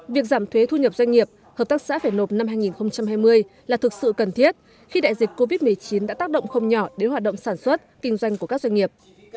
việc giảm thuế thu nhập doanh nghiệp hợp tác xã phải nộp năm hai nghìn hai mươi là thực sự cần thiết khi đại dịch covid một mươi chín đã tác động không nhỏ đến hoạt động sản xuất kinh doanh của các doanh nghiệp